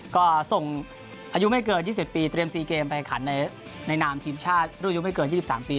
ก็ส่งอายุไม่เกิน๒๐ปีเตรียม๔เกมไปขันในนามทีมชาติรุ่นอายุไม่เกิน๒๓ปี